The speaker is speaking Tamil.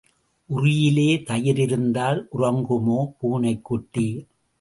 உறியிலே தயிர் இருந்தால் உறங்குமோ பூனைக்குட்டி?